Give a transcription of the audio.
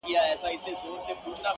نه دعا نه په جومات کي خیراتونو٫